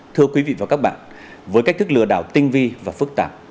thưa quý vị và các bạn với cách thức lừa đảo tinh vi và phức tạp